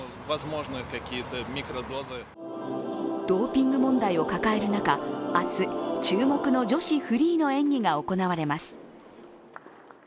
ドーピング問題を抱える中、明日、注目の女子フリーの演技が行われます。